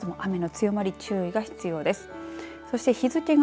このあとも雨の強まり注意が必要です。